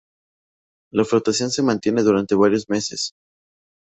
La floración se mantiene durante varios meses.